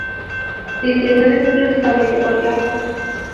Distribuido exclusivamente por Yahoo!